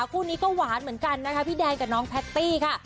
คู่นี้ก็หวานเหมือนกันนะคะพี่แดนกับน้องแพตตี้ค่ะ